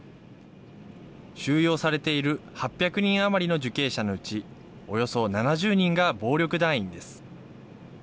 収容されている８００人余りの受刑者のうちおよそ７０人が暴力団員です。